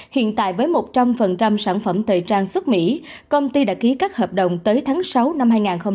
hiện tại với một trăm linh sản phẩm thời trang xuất mỹ công ty đã ký các hợp đồng tới tháng sáu năm hai nghìn hai mươi